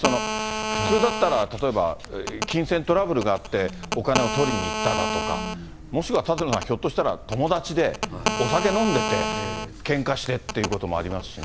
普通だったら、例えば金銭トラブルがあって、お金を取りに行っただとか、もしくは舘野さん、ひょっとしたら、友達で、お酒飲んでて、けんかしてっていうこともありますしね。